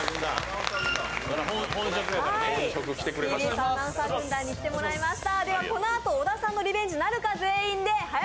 ＴＢＳアナウンサー軍団に来てもらいました。